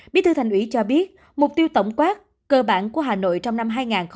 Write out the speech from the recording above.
bí thư thành ủy cho biết mục tiêu tổng quát cơ bản của hà nội trong năm hai nghìn hai mươi